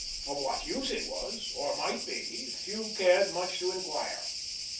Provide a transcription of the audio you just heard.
Of what use it was, or might be, few cared much to inquire.